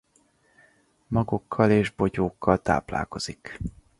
Magokkal és bogyókkal táplálkozik.